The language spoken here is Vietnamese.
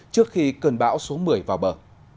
trước khi cơn bão số một mươi vào bờ